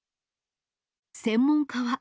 専門家は。